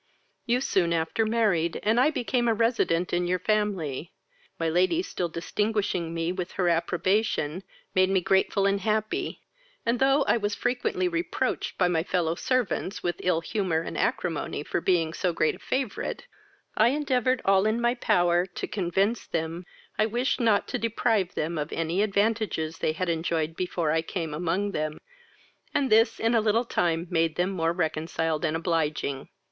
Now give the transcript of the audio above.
You soon after married, and I became a resident in your family: my lady still distinguishing me with her approbation, made me grateful and happy, and, though I was frequently reproached by my fellow servants, with ill humour and acrimony, for being so great a favourite, I endeavoured all in my power to convince them, I wished not to deprive them of any advantages they had enjoyed before I came among them, and this in a little time made them more reconciled and obliging.